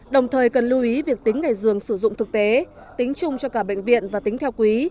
đồng thời cần lưu ý việc tính ngày dường sử dụng thực tế tính chung cho cả bệnh viện và tính theo quý